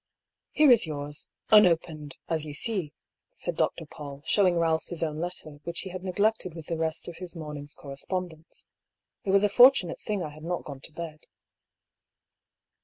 " Here is yours — unopened — ^as you see," said Dr. Paull, showing Balph his own letter, which he had neglected with the rest of his morning's correspondence. " It was a fortunate thing I had not gone to bed."